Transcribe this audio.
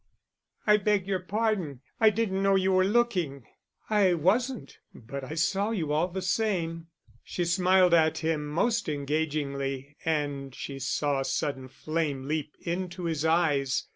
"I beg your pardon, I didn't know you were looking." "I wasn't, but I saw you all the same." She smiled at him most engagingly and she saw a sudden flame leap into his eyes.